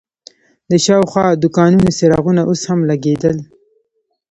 د شاوخوا دوکانونو څراغونه اوس هم لګېدل.